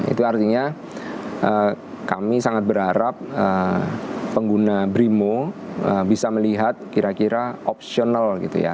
itu artinya kami sangat berharap pengguna brimo bisa melihat kira kira opsional gitu ya